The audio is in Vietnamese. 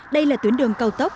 đây là tuyến đường cao tốc